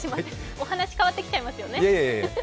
お話、変わってきちゃいますよね。